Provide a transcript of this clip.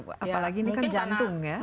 apalagi ini kan jantung ya